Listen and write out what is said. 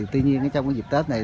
tuy nhiên trong dịp tết này